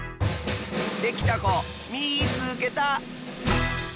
できたこみいつけた！